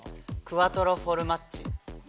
クワトロフォルマッジ。